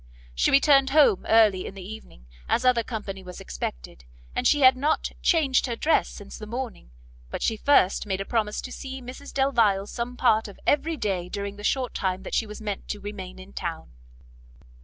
She returned home early in the evening, as other company was expected, and she had not changed her dress since the morning; but she first made a promise to see Mrs Delvile some part of every day during the short time that she meant to remain in town.